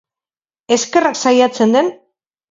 Eskerrak saiatzen den!